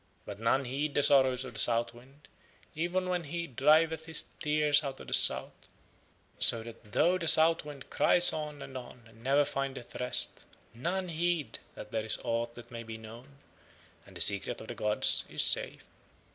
But none heed the sorrows of the South Wind even when he driveth his tears out of the South, so that though the South Wind cries on and on and never findeth rest none heed that there is aught that may be known, and the Secret of the gods is safe.